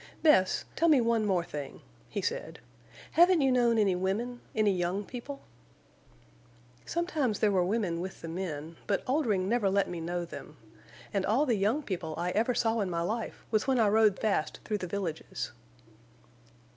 "Bess, tell me one more thing," he said. "Haven't you known any women—any young people?" "Sometimes there were women with the men; but Oldring never let me know them. And all the young people I ever saw in my life was when I rode fast through the villages."